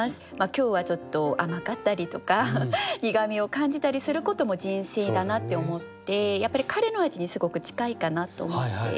今日はちょっと甘かったりとか苦みを感じたりすることも人生だなって思ってやっぱりカレーの味にすごく近いかなと思って。